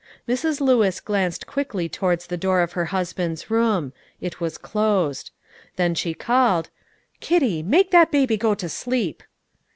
Mrs. Lewis glanced quickly towards the door of her husband's room; it was closed. Then she called, "Kitty, make that baby go to sleep!"